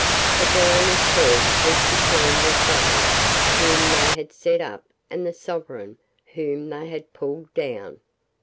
But their only choice was between the Sovereign whom they had set up and the Sovereign whom they had pulled down.